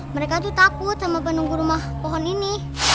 mereka tuh takut sama penumpu rumah pohon ini